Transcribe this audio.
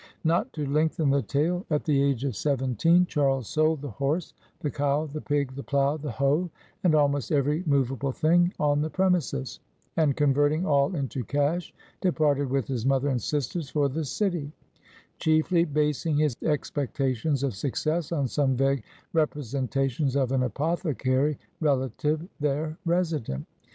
Not to lengthen the tale, at the age of seventeen, Charles sold the horse, the cow, the pig, the plow, the hoe, and almost every movable thing on the premises; and, converting all into cash, departed with his mother and sisters for the city; chiefly basing his expectations of success on some vague representations of an apothecary relative there resident.